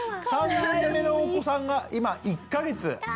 ３人目のお子さんが今１か月。